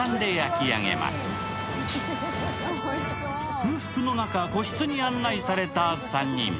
空腹の中、個室に案内された３人。